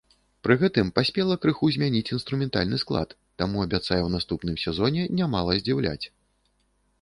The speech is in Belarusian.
Пры гэтым паспела крыху змяніць інструментальны склад, таму абяцае ў наступным сезоне нямала здзіўляць.